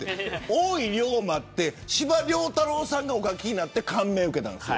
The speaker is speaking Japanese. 竜馬って司馬遼太郎さんがお書きになって感銘を受けたんです。